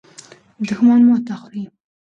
دښمن ماته خوري.